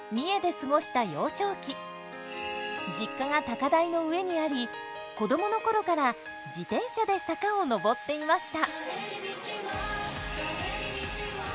実家が高台の上にあり子供の頃から自転車で坂を上っていました。